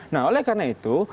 nah oleh karena itu